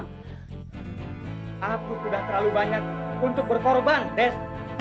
aku sudah terlalu banyak untuk berkorban des